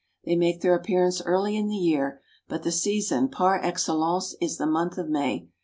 They make their appearance early in the year, but the season par excellence is the month of May.